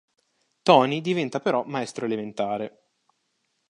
Toni diventa però maestro elementare.